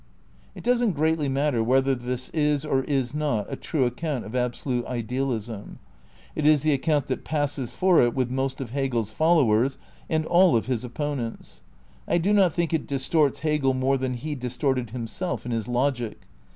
It doesn't greatly matter whether this is or is not a true account of Absolute Idealism. It is the account that passes for it with most of Hegel's followers and all of his opponents. I do not think it distorts Hegel more than he distorted himself in his Logic.